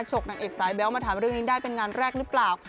กนางเอกสายแบ๊วมาถามเรื่องนี้ได้เป็นงานแรกหรือเปล่า